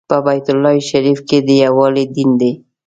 په بیت الله شریف کې د یووالي دین دی.